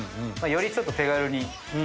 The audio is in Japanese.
よりちょっと手軽に。